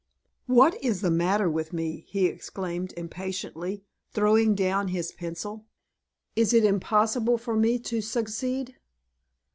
"What is the matter with me?" he exclaimed, impatiently, throwing down his pencil. "Is it impossible for me to succeed?